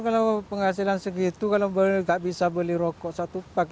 kalau penghasilan saya begitu saya tidak bisa beli rokok satu pak